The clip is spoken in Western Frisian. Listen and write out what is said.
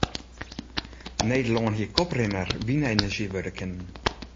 Nederlân hie koprinner wynenerzjy wurde kinnen.